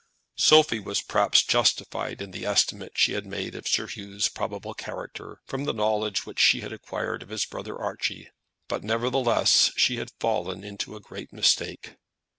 Sophie was perhaps justified in the estimate she had made of Sir Hugh's probable character from the knowledge which she had acquired of his brother Archie; but, nevertheless, she had fallen into a great mistake.